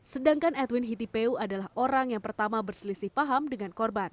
sedangkan edwin hitipeu adalah orang yang pertama berselisih paham dengan korban